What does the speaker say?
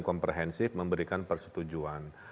komprehensif memberikan persetujuan